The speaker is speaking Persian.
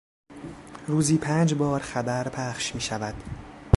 روزی پنج بار خبر پخش میشود.